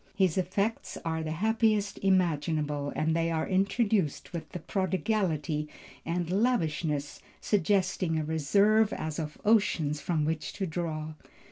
His effects are the happiest imaginable and they are introduced with a prodigality and lavishness suggesting a reserve as of oceans from which to draw.